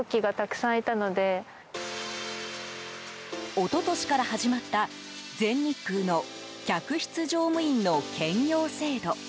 一昨年から始まった全日空の客室乗務員の兼業制度。